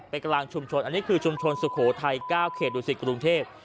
กลางชุมชนอันนี้คือชุมชนสุโขทัย๙เขตดูสิตกรุงเทพ